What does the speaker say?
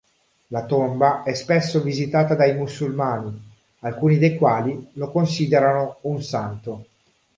La tomba è spesso visitata dai musulmani, alcuni dei quali lo considerano un santo.